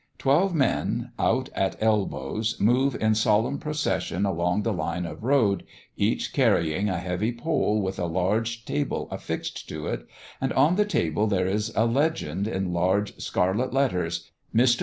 Twelve men, out at elbows, move in solemn procession along the line of road, each carrying a heavy pole with a large table affixed to it, and on the table there is a legend in large scarlet letters, "MR.